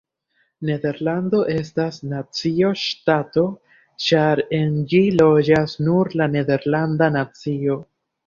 Nederlando estas nacio-ŝtato ĉar en ĝi loĝas nur la nederlanda nacio.